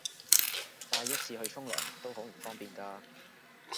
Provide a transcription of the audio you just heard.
帶一次去沖涼都好唔方便㗎